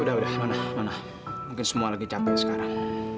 udah udah nona nona mungkin semua lagi capek sekarang